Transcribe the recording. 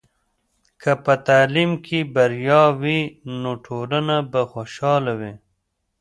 که په تعلیم کې بریا وي، نو ټولنه به خوشحاله وي.